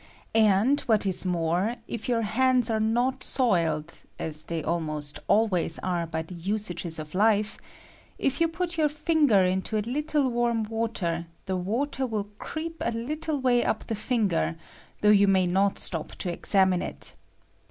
And, what is more, if your hands are not soiled (as they almost always are by the usages of life), if you put your finger i I into a Httle warm water, the water will creep a little way up the finger, though you may not j 24 CAPrLLABY ACTION. atop to examine it.